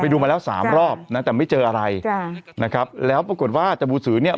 ดูมาแล้วสามรอบนะแต่ไม่เจออะไรจ้ะนะครับแล้วปรากฏว่าจบูสือเนี่ย